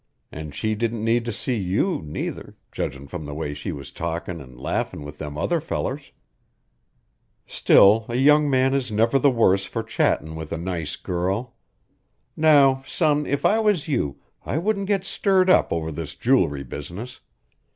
"An' she didn't need to see you, neither, judgin' from the way she was talkin' an' laughin' with them other fellers. Still a young man is never the worse for chattin' with a nice girl. Now, son, if I was you, I wouldn't get stirred up over this jewelry business.